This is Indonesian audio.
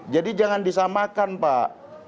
jadi jangan disamakan pak